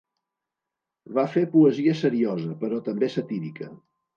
Va fer poesia seriosa, però també satírica.